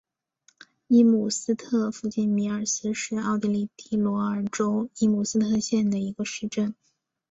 伊姆斯特附近米尔斯是奥地利蒂罗尔州伊姆斯特县的一个市镇。